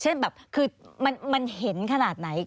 แบบคือมันเห็นขนาดไหน